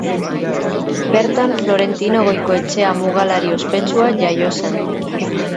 Bertan Florentino Goikoetxea mugalari ospetsua jaio zen.